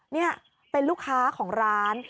นี่เป็นลูกค้าของร้าน